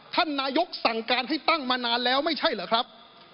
ท่านนายกสั่งการให้ตั้งมานานแล้วไม่ใช่เหรอครับ